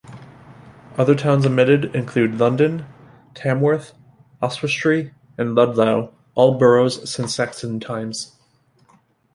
Other towns omitted include London, Tamworth, Oswestry and Ludlow, all boroughs since Saxon times.